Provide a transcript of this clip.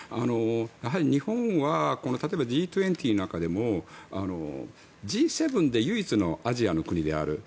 日本は例えば、Ｇ２０の中でもＧ７で唯一のアジアの国である。